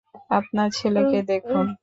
আপনার ছেলেকে দেখুন।